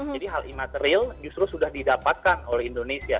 jadi hal imateril justru sudah didapatkan oleh indonesia